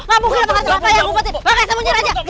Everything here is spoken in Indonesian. bapak yang ngumpetin bapak yang sembunyi raja